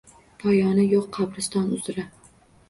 Poyoni yo’q qabriston uzra.